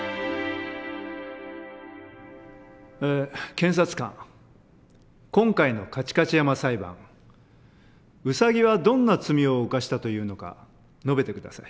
検察官今回の「カチカチ山」裁判ウサギはどんな罪を犯したというのか述べて下さい。